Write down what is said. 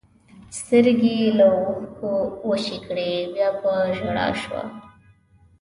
سترګې یې له اوښکو وچې کړې، بیا په ژړا شوه.